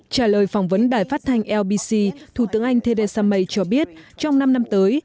trả lời phỏng vấn đài phát thanh lbc thủ tướng anh theresa may cho biết trong năm năm tới